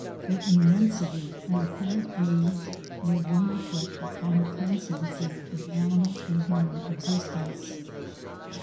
Their immensity and apparent age made one reflect upon the transiency of animal and human existence.